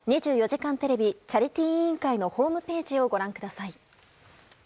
募金方法は日本テレビまたは、２４時間テレビチャリティー委員会のホームページをご覧ください。